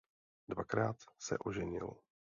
Dvakrát se oženil.